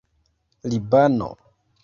libano